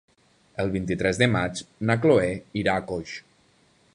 El vint-i-tres de maig na Chloé irà a Coix.